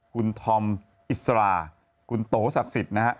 คุณธอมอิสราคุณโตศักดิ์สิทธิ์นะฮะ